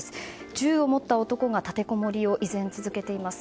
銃を持った男が立てこもりを依然続けています。